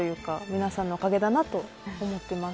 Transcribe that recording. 皆さんのおかげだなと思ってます。